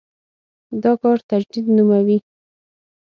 دا کار تجدید نوموي.